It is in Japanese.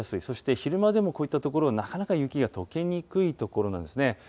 そして昼間でもこういった所はなかなか雪がとけにくい所なんですね。